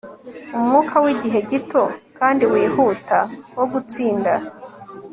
Umwuka wigihe gito kandi wihuta wo gutsinda